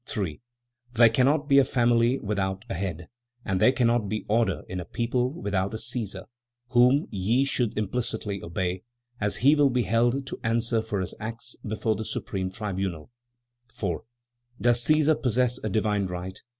3. "There cannot be a family without a head, and there cannot be order in a people without a Cæsar, whom ye should implicitly obey, as he will be held to answer for his acts before the Supreme Tribunal." 4. "Does Cæsar possess a divine right?"